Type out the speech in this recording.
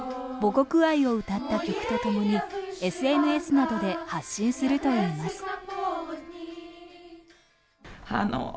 母国愛を歌った曲とともにＳＮＳなどで発信するといいます。